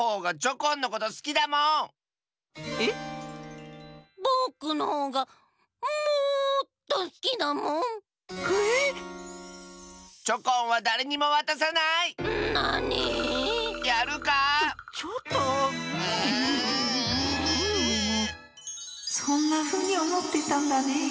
こころのこえそんなふうにおもってたんだね。